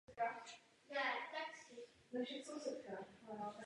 Proto jazyk nutně musí obsahovat prostředky pro komunikaci mezi agenty.